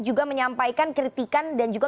juga menyampaikan kritikan dan juga